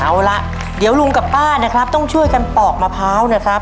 เอาล่ะเดี๋ยวลุงกับป้านะครับต้องช่วยกันปอกมะพร้าวนะครับ